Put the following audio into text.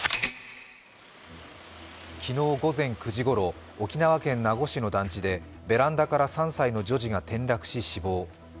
昨日午前９時ごろ沖縄県名護市の団地のベランダから３歳の女児が転落し死亡。